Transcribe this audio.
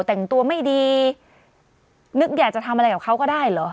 แต่งตัวไม่ดีนึกอยากจะทำอะไรกับเขาก็ได้เหรอ